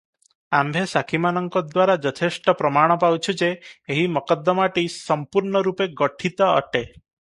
ଆମ୍ଭେ ସାକ୍ଷୀମାନଙ୍କ ଦ୍ୱାରା ଯଥେଷ୍ଟ ପ୍ରମାଣ ପାଉଛୁ ଯେ, ଏହି ମକଦ୍ଦମାଟି ସଂପୂର୍ଣ୍ଣରୂପେ ଗଠିତ ଅଟେ ।